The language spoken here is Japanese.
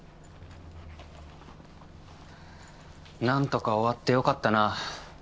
なんとか終わってよかったな。